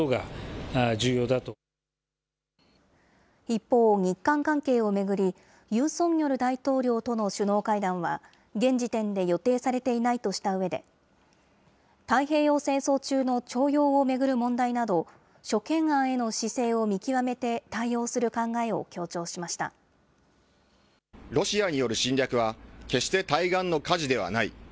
一方、日韓関係を巡り、ユン・ソンニョル大統領との首脳会談は、現時点で予定されていないとしたうえで、太平洋戦争中の徴用を巡る問題など、諸懸案への姿勢を見極めて対ロシアによる侵略は、決して対岸の火事ではない。